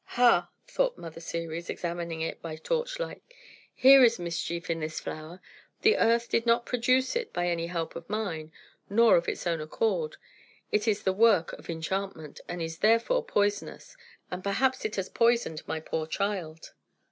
"Ha!" thought Mother Ceres, examining it by torchlight. "Here is mischief in this flower! The earth did not produce it by any help of mine, nor of its own accord. It is the work of enchantment, and is therefore poisonous; and perhaps it has poisoned my poor child."